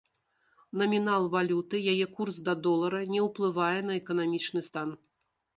Намінал валюты, яе курс да долара не ўплывае на эканамічны стан.